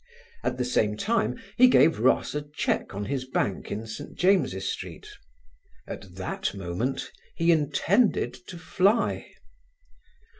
At the same time he gave Ross a cheque on his bank in St. James's Street. At that moment he intended to fly.